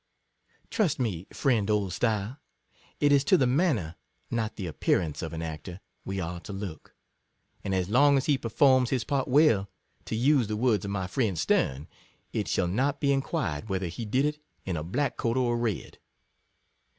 Trust me, friend Oldstyle, it is to the manner, not the appearance of an actor, we are to look ; and as long as he performs his part well, (to use the words of my friend Sterne,) " it shall not be inquired whether he did it in a black coat or a red."